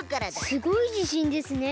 すごいじしんですね。